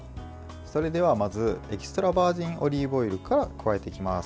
それではまずエキストラバージンオリーブオイルから加えていきます。